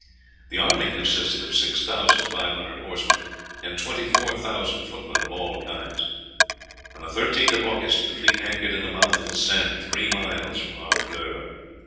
The army consisted of six thousand five hundred horsemen and twenty four thousand footmen of all kinds. On the 13th of August the fleet anchored in the mouth of the Seine, three miles from Harfleur.